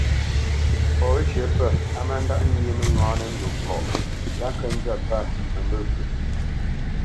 Fɔ wə́cyə pə̂ á má ndáʼ nyé mə́ŋǎnə ndo kɔʼ lá kə nzə̂t pə̂ məmbə̂ pə.